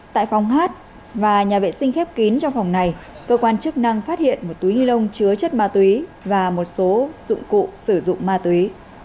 tại phòng hát và nhà vệ sinh khép kín trong phòng này cơ quan chức năng phát hiện một túi ni lông chứa chất ma túy và một số dụng cụ sử dụng ma túy